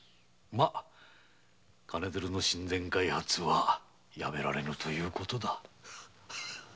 金づるの「新田開発」はやめられぬという事だ。